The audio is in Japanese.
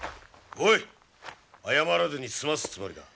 おい謝らずに済ますつもりか？